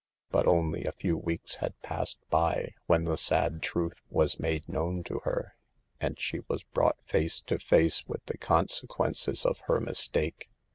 But only a few weeks had passed by, when the sad truth was made known to her, and she was brought face to face with the consequences of her mistake.